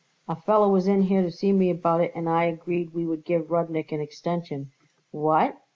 "A feller was in here to see me about it and I agreed we would give Rudnik an extension." "What!"